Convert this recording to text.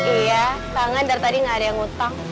iya kangen dari tadi gak ada yang utang